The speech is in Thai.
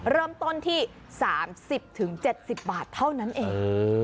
เริ่มต้นที่๓๐๗๐บาทเท่านั้นเอง